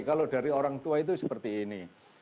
kalau dari orang tua itu seperti ini